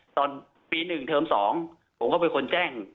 ตอนปีหนึ่งเทิมสองผมก็เป็นคนแจ้ง